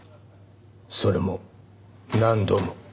それも何度も。